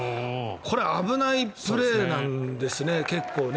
これ、結構危ないプレーなんですね。